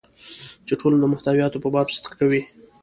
چې ټول د محتویاتو په باب صدق کوي.